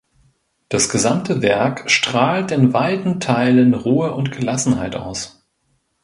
Das gesamte Werk strahlt in weiten Teilen Ruhe und Gelassenheit aus.